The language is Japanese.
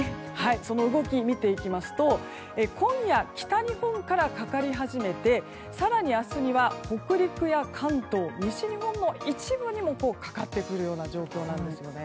その動きを見ていきますと今夜、北日本からかかり始めて更に明日には北陸や関東、西日本の一部にもかかってくるような状況なんですよね。